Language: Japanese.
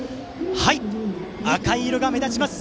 赤い色が目立ちます